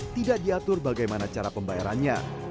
tidak diatur bagaimana cara pembayarannya